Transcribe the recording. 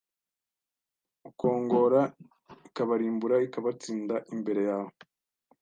ukongora ikabarimbura ikabatsinda imbere yawe